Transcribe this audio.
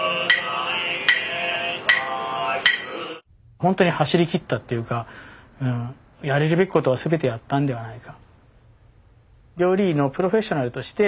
ほんとに走りきったっていうかやれるべきことは全てやったんではないか。